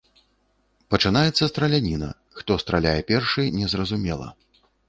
Пачынаецца страляніна, хто страляе першы, незразумела.